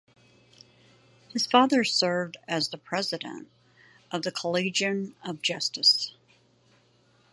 His father served as president of the Collegium of Justice.